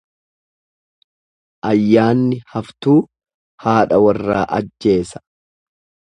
Ayyaanni haftuu haadha warraa ajjeesa.